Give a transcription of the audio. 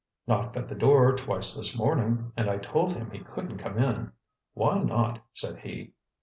"Knocked at the door twice this morning, and I told him he couldn't come in. 'Why not?' said he.